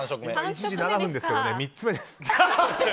１時７分ですけど、３つ目です。